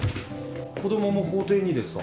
子供も法廷にですか？